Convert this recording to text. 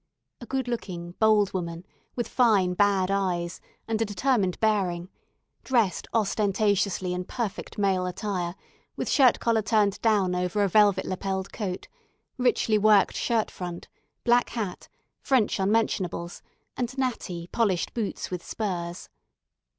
A good looking, bold woman, with fine, bad eyes, and a determined bearing; dressed ostentatiously in perfect male attire, with shirt collar turned down over a velvet lapelled coat, richly worked shirt front, black hat, French unmentionables, and natty, polished boots with spurs.